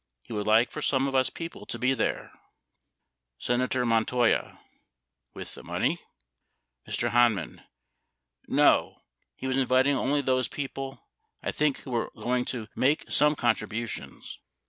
He would like for some of us people to be there. Senator Montoya. With the money ? Mr. Hanman. No, he was inviting only those people, I think who were going to make some contributions.